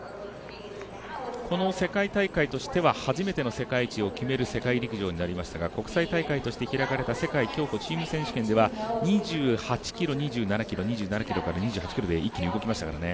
この世界大会としては初めての世界一を決める世界陸上となりましたが国際大会として開かれた選手権では２７から２８で一気に動きましたからね。